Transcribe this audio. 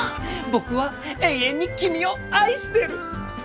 僕は永遠に君を愛してる！